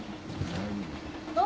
大丈夫。